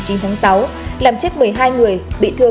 làm chết một mươi hai người bị thương